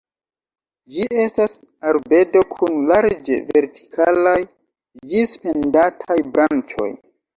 Ĝi estas arbedo kun larĝe vertikalaj ĝis pendantaj branĉoj.